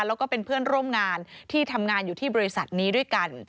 แล้วก็เป็นเพื่อนร่วมงานที่ทำงานอยู่ที่บริษัทนี้ด้วยกัน